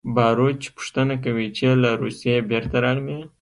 باروچ پوښتنه کوي چې له روسیې بېرته راغلې